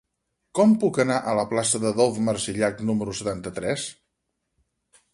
Com puc anar a la plaça d'Adolf Marsillach número setanta-tres?